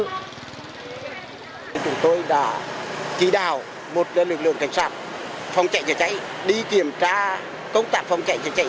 chúng tôi đã ký đạo một lực lượng cảnh sát phòng chạy chở cháy đi kiểm tra công tạp phòng chạy chở chạy